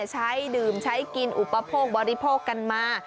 ใช้ดื่มใช้กินอุปโภคบริโภคกันมา